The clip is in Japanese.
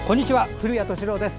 古谷敏郎です。